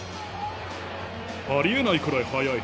ありえないくらい速い。